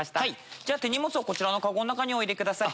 じゃ手荷物をこちらのカゴの中にお入れください。